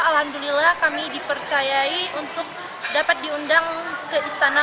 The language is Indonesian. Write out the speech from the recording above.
alhamdulillah kami dipercayai untuk dapat diundang ke istana